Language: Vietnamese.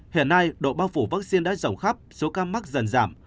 hiện nay độ bao phủ vaccine đã rộng khắp số ca mắc dần giảm